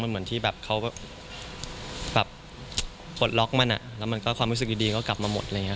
มันเหมือนที่แบบเขาแบบกดล็อกมันแล้วมันก็ความรู้สึกดีก็กลับมาหมด